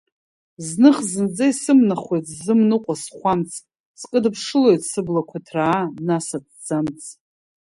Зных зынӡа исымнахуеит сзымныҟәо схәамц, скыдыԥшылоит, сыблақәа ҭраа, нас аҭӡамц.